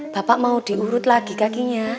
bapak mau diurut lagi kakinya